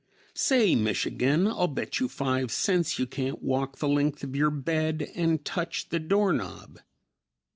"Say, Michigan, I'll bet you five cents you can't walk the length of your bed and touch the door knob."